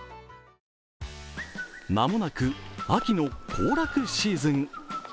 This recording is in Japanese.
間もなく秋の行楽シーズン。